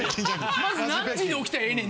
まず何時に起きたらええねん？